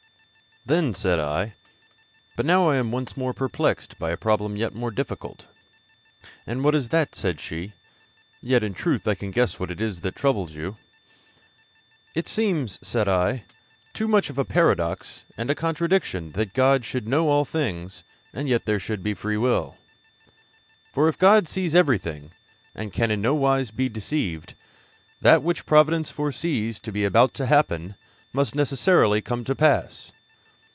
Then said I: 'But now I am once more perplexed by a problem yet more difficult.' 'And what is that?' said she; 'yet, in truth, I can guess what it is that troubles you.' 'It seems,' said I, 'too much of a paradox and a contradiction that God should know all things, and yet there should be free will. For if God foresees everything, and can in no wise be deceived, that which providence foresees to be about to happen must necessarily come to pass.